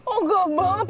oh gak banget